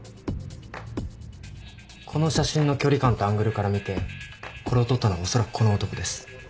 この写真の距離感とアングルから見てこれを撮ったのはおそらくこの男です。